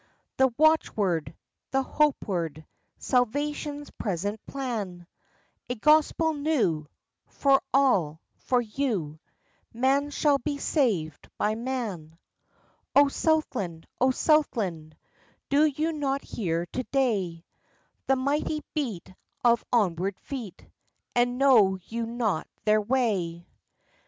The watchword, the hope word, Salvation's present plan? A gospel new, for all for you: Man shall be saved by man. O Southland! O Southland! Do you not hear to day The mighty beat of onward feet, And know you not their way?